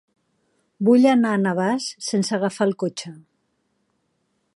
Vull anar a Navàs sense agafar el cotxe.